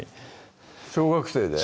小学生で？